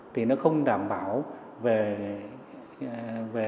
thì nó không đảm bảo về